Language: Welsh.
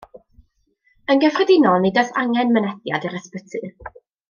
Yn gyffredinol nid oes angen mynediad i'r ysbyty.